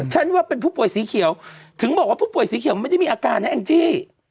ฉันว่าเป็นผู้ป่วยสีเขียวถึงบอกว่าผู้ป่วยสีเขียวมันไม่ได้มีอาการนะแองจี้